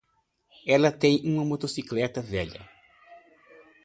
Ela tem uma motocicleta velha.